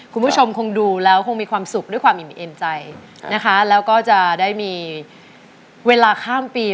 คุณผู้ชมคงดูแล้วคงมีความสุขด้วยความอิ่มเอ็มใจนะคะแล้วก็จะได้มีเวลาข้ามปี